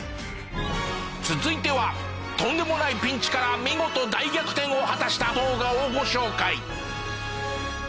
続いてはとんでもないピンチから見事大逆転を果たした動画をご紹介。